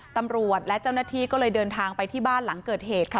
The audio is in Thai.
ตำรวจและเจ้าหน้าที่ก็เลยเดินทางไปที่บ้านหลังเกิดเหตุค่ะ